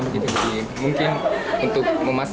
jadi mungkin untuk memperbaikinya